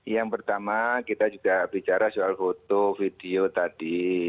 yang pertama kita juga bicara soal foto video tadi